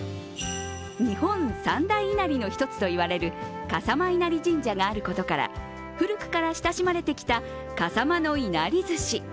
日本三大稲荷の一つと言われる笠間稲荷神社があることから古くから親しまれてきた笠間のいなり寿司。